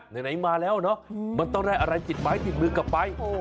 ไหนมาแล้วเนอะมันต้องได้อะไรติดไม้ติดมือกลับไป